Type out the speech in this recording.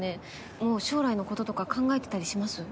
もう将来のこととか考えてたりします？